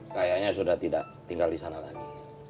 kayaknya sudah tidak tinggal di sana lagi